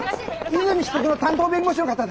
泉被告の担当弁護士の方ですか？